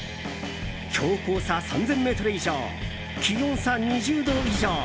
標高差３０００ｍ以上気温差２０度以上。